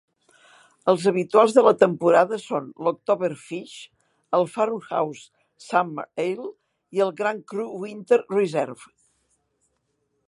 Els habituals de la temporada són l'Oktoberfish, el Farmhouse Summer Ale i el Grand Cru Winter Reserve.